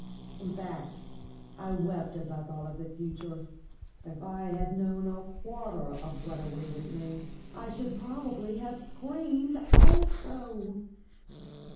In fact, I wept as I thought of the future. If I had known a quarter of what awaited me, I should probably have screamed also.